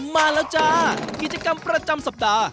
มาแล้วจ้ากิจกรรมประจำสัปดาห์